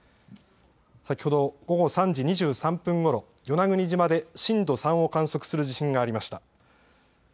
先ほど午後３時２３分ごろ、与那国島で震度３を観測する地震がありました。